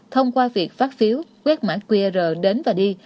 thông qua việc phát phiếu quét mã qr đến và đi